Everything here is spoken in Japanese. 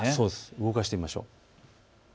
動かしてみましょう。